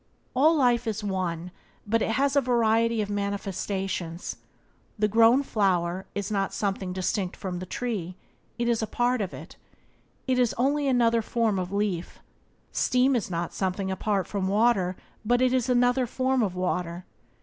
All life is one, but it has a variety of manifestations. The grown flower is not something distinct from the tree: it is a part of it; is only another form of leaf. Steam is not something apart from water: it is but another form of water.